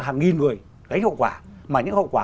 hàng nghìn người gánh hậu quả mà những hậu quả